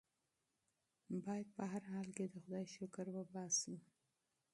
بايد په هر حال کې د خدای شکر وباسو.